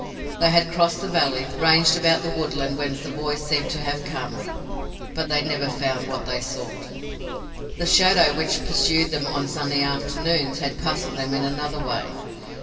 They had crossed the valley and ranged about the woodland whence the voice seemed to have come, but they never found what they sought! The shadow which pursued them on sunny afternoons had puzzled them in another way.